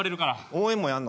応援もやんの？